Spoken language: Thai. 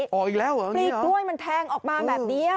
ออกอีกแล้วเหรอปลีกล้วยมันแทงออกมาแบบนี้